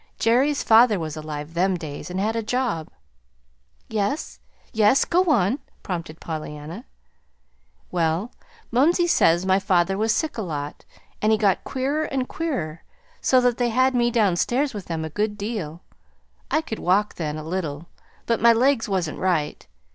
Jerry's father was alive them days, and had a job." "Yes, yes, go on," prompted Pollyanna. "Well, mumsey says my father was sick a lot, and he got queerer and queerer, so that they had me downstairs with them a good deal. I could walk then, a little, but my legs wasn't right.